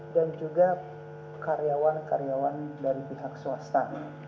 dan juga karyawan karyawan dari pihak swasta